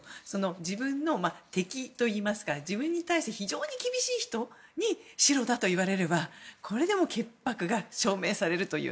自分の敵といいますか自分に対して非常に厳しい人に白だと言われればこれで潔白が証明されるという。